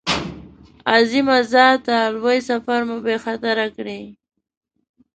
عظیمه ذاته لوی سفر مو بې خطره کړې.